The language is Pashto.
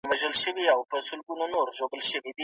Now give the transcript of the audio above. افغانان د سیمې د هېوادونو د ثبات د خرابولو هڅه نه کوي.